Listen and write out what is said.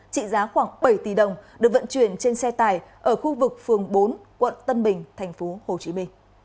trị giá khoảng bảy tỷ đồng được vận chuyển trên xe tải ở khu vực phường bốn quận tân bình tp hcm